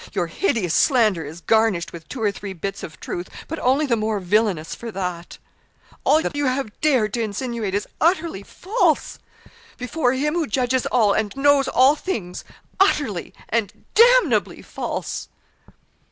Your hideous slander is garnished with two or three bits of truth, but only the more villainous for that. All that you have dared to insinuate is utterly false. Before Him who judges all, and knows all things utterly and damnably false!'